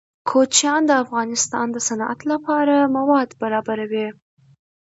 کوچیان د افغانستان د صنعت لپاره مواد برابروي.